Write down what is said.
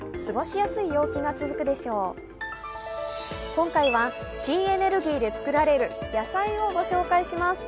今回は新エネルギーで作られる野菜をご紹介します。